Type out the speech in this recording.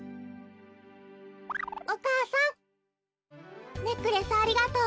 お母さんネックレスありがとう。